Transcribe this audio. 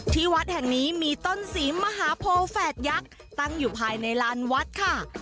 ที่วัดแห่งนี้มีต้นศรีมหาโพแฝดยักษ์ตั้งอยู่ภายในลานวัดค่ะ